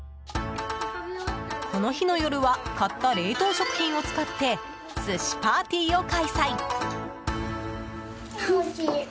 この日の夜は買った冷凍食品を使って寿司パーティーを開催。